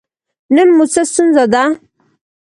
نن مو څه ستونزه ده؟